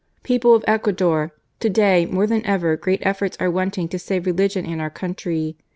"People of Ecuador! To day more than ever great efforts are wanting to save religion and our country.